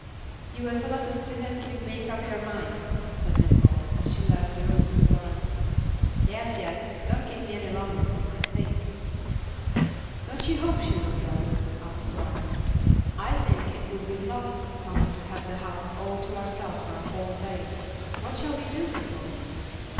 "You will tell us as soon as you make up your mind," said Dimple, as she left the room with Florence. "Yes, yes; don't keep me any longer from my 'think.'" "Don't you hope she will go?" asked Florence. "I think it would be lots of fun to have the house all to ourselves for a whole day. What shall we do, Dimple?"